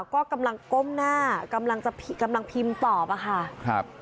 ก็กำลังก้มหน้ากำลังจะกำลังพิมพ์ตอบอะค่ะครับ